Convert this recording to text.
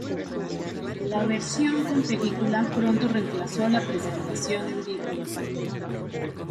La versión con película pronto reemplazó la presentación en vivo.